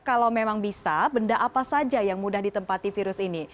kalau memang bisa benda apa saja yang mudah ditempati virus ini